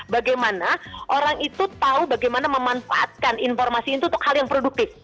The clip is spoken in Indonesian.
bagaimana orang itu tahu bagaimana memanfaatkan informasi itu untuk hal yang produktif